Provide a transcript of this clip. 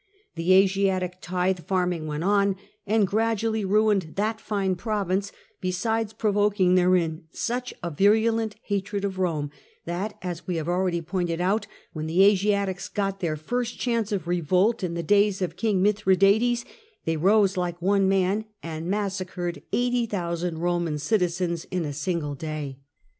The Asiatic tithe farnoiing went on, and gradually ruined that fine province, besides provoking therein such a virulent hatred of Rome, that (as we have already pointed out) when the Asiatics got their first chance of revolt, in the days of King Mithradates, they rose like one man and massacred 8o,ocX) Roman citizens in a single day.